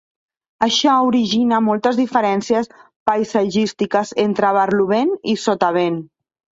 Això origina moltes diferències paisatgístiques entre barlovent i sotavent.